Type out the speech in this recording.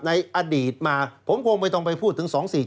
ในอดีตมาผมคงไม่ต้องไปพูดถึง๒๔๙